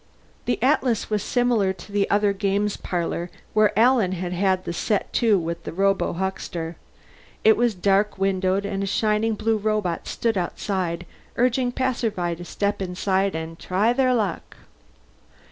The Atlas was similar to the other games parlor where Alan had had the set to with the robohuckster; it was dark windowed and a shining blue robot stood outside, urging passersby to step inside and try their luck.